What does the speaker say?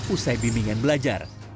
usai bimbingan belajar